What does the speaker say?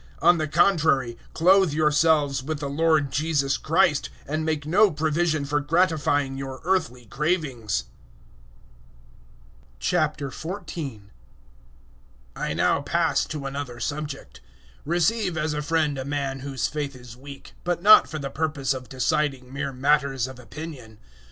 013:014 On the contrary, clothe yourselves with the Lord Jesus Christ, and make no provision for gratifying your earthly cravings. 014:001 I now pass to another subject. Receive as a friend a man whose faith is weak, but not for the purpose of deciding mere matters of opinion.